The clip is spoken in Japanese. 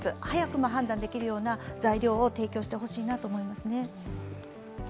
早く判断できる材料を提供してほしいなと思います。